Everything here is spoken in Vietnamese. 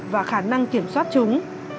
và khả năng kiểm soát chúng